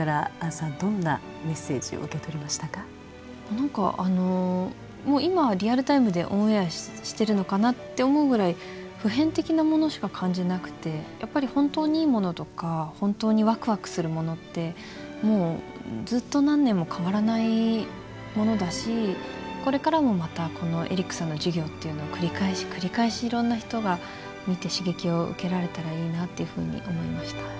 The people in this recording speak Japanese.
何かあのもう今リアルタイムでオンエアしてるのかなって思うぐらい普遍的なものしか感じなくてやっぱり本当にいいものとか本当にワクワクするものってもうずっと何年も変わらないものだしこれからもまたこのエリックさんの授業っていうのを繰り返し繰り返しいろんな人が見て刺激を受けられたらいいなっていうふうに思いました。